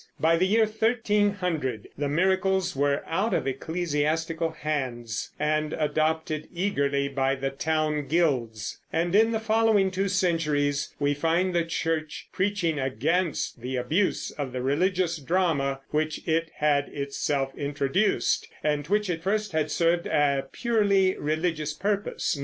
By the year 1300 the Miracles were out of ecclesiastical hands and adopted eagerly by the town guilds; and in the following two centuries we find the Church preaching against the abuse of the religious drama which it had itself introduced, and which at first had served a purely religious purpose.